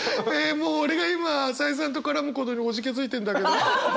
もう俺が今朝井さんと絡むことにおじけづいてんだけど。